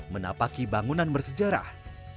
menapaki bangunan bersejarah